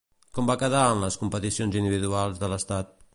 Com va quedar en les competicions individuals de l'estat?